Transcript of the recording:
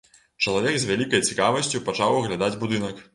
Чалавек з вялікай цікавасцю пачаў аглядаць будынак.